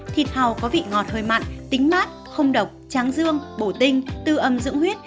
thịt hàu có vị ngọt hơi mặn tính mát không độc tráng dương bổ tinh tư âm dưỡng huyết